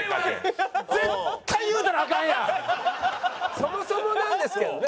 そもそもなんですけどね